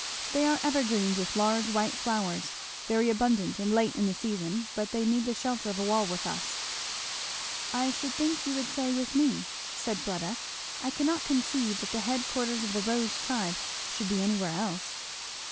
"They are evergreens with large white flowers very abundant and late in the season, but they need the shelter of a wall with us." "I should think you would say 'with me'," said Fleda. "I cannot conceive that the head quarters of the Rose tribe should be anywhere else."